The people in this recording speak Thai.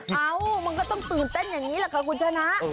เอ้ามันก็ต้องตื่นเต้นอย่างนี้แหละค่ะคุณชนะ